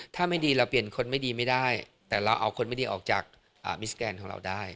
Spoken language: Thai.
ถ้าไม่ดีเราเปลี่ยนคนไม่ดีไม่ได้แต่เราเอาคนไม่ดีออกจากมิสแกนของเราได้